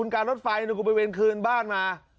การรถไฟกูไปเวรคืนบ้านมา